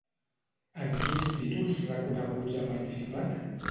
En quins títols reconeguts ha participat?